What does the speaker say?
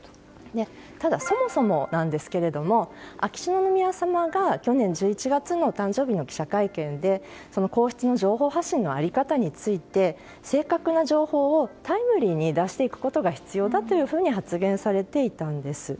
ただ、そもそもなんですけれども秋篠宮さまが、去年１１月のお誕生日の記者会見で皇室の情報発信のあり方について正確な情報をタイムリーに出していくことが必要だと発言されていたんです。